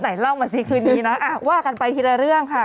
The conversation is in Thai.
ไหนเล่ามาสิคืนนี้นะว่ากันไปทีละเรื่องค่ะ